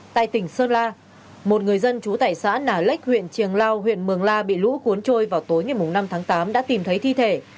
tại tỉnh sơn la một người dân trú tại xã nà lách huyện triềng lao huyện mường la bị lũ cuốn trôi vào tối ngày năm tháng tám đã tìm thấy thi thể